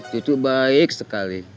cucu baik sekali